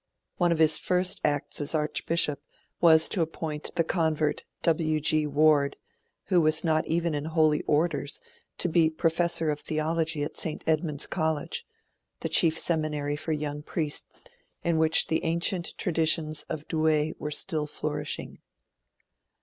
One of his first acts as Archbishop was to appoint the convert W. G. Ward, who was not even in holy orders, to be Professor of Theology at St. Edmund's College the chief seminary for young priests, in which the ancient traditions of Douay were still flourishing.